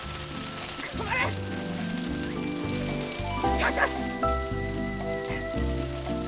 よしよし！